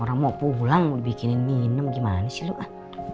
orang mau pulang mau bikinin minum gimana sih lupa